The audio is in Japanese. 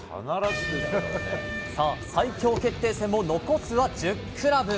さあ、最強決定戦も残すは１０クラブ。